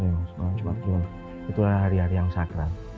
malam jumat itu adalah hari hari yang sakral